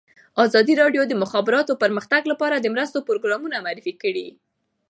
ازادي راډیو د د مخابراتو پرمختګ لپاره د مرستو پروګرامونه معرفي کړي.